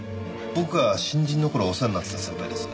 僕が新人の頃お世話になってた先輩です。